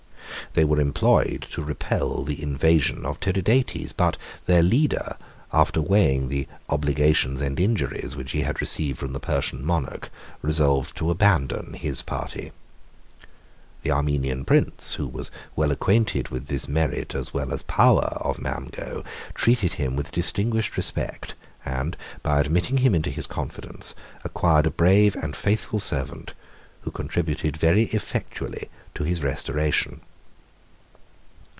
They were employed to repel the invasion of Tiridates; but their leader, after weighing the obligations and injuries which he had received from the Persian monarch, resolved to abandon his party. The Armenian prince, who was well acquainted with the merit as well as power of Mamgo, treated him with distinguished respect; and, by admitting him into his confidence, acquired a brave and faithful servant, who contributed very effectually to his restoration.